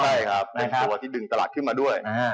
ใช่ครับเป็นตัวที่ดึงตลาดขึ้นมาด้วย